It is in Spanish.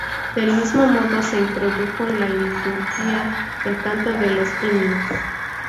Del mismo modo se introdujo en la liturgia el canto de los himnos.